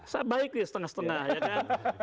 saya baik nih setengah setengah ya kan